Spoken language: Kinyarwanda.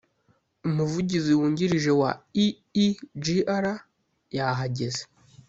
Umuvugizi wungirije wa E E G R yahageze